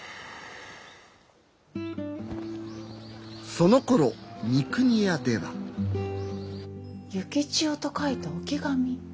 そのころ三国屋では「幸千代」と書いた置き紙。